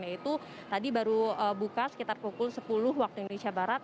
yaitu tadi baru buka sekitar pukul sepuluh waktu indonesia barat